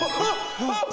あっ！